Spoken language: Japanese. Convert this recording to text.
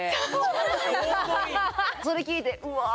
それ聞いてうわあ